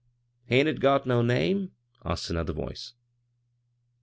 " Hain't it got no name?" asked another voice.